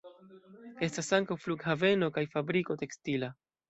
Estas ankaŭ flughaveno kaj fabriko tekstila.